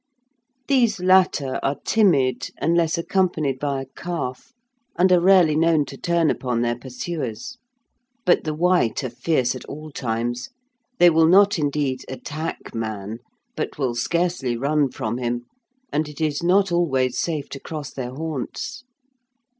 These latter are timid, unless accompanied by a calf, and are rarely known to turn upon their pursuers. But the white are fierce at all times; they will not, indeed, attack man, but will scarcely run from him, and it is not always safe to cross their haunts.